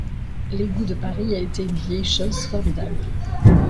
L’égout de Paris a été une vieille chose formidable.